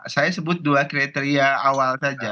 saya sebut dua kriteria awal saja